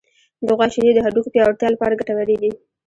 د غوا شیدې د هډوکو پیاوړتیا لپاره ګټورې دي.